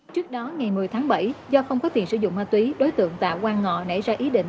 trước đó ngày một mươi tháng bảy do không có tiền sử dụng ma túy đối tượng tạ quang ngọ nảy ra ý định